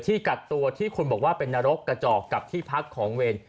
กักตัวที่คุณบอกว่าเป็นนรกกระจอกกับที่พักของเวร